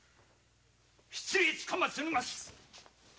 失礼つかまつります。